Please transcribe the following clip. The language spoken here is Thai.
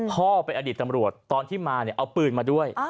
พ่อเป็นอดีตตำรวจตอนที่มาเนี่ยเอาปืนมาด้วย